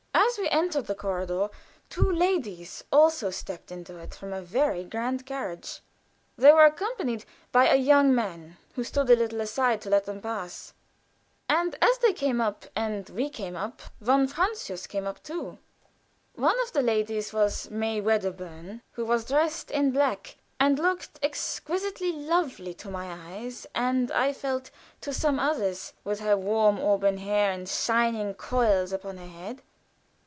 As we entered the corridor two ladies also stepped into it from a very grand carriage. They were accompanied by a young man, who stood a little to one side to let them pass; and as they came up and we came up, von Francius came up too. One of the ladies was May Wedderburn, who was dressed in black, and looked exquisitely lovely to my eyes, and, I felt, to some others, with her warm auburn hair in shining coils upon her head.